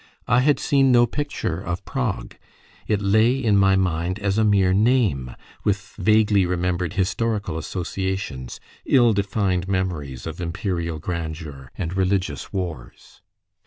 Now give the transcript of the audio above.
I had seen no picture of Prague: it lay in my mind as a mere name, with vaguely remembered historical associations ill defined memories of imperial grandeur and religious wars.